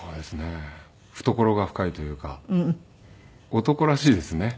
懐が深いというか男らしいですね。